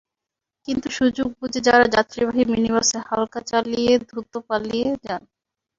কিন্তু সুযোগ বুঝে তাঁরা যাত্রীবাহী মিনিবাসে হামলা চালিয়ে দ্রুত পালিয়ে যান।